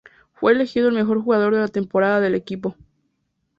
Fue elegido el mejor jugador de la temporada del equipo.